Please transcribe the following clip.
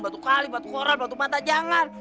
batu kali batu horan batu mata jangan